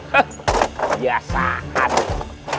hah jasah aduh